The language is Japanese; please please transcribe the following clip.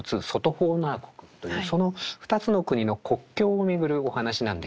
ホーナー国というその２つの国の国境を巡るお話なんです。